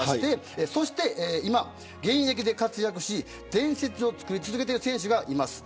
そして今、現役で活躍し伝説を作り続けている選手がいます。